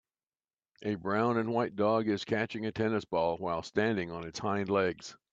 A brown and white dog is catching a tennis ball while standing on its hind legs.